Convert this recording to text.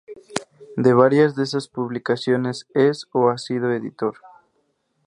De varias de esas publicaciones es o ha sido editor.